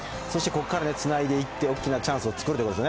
そしてここからつないでいって大きなチャンスをつくる。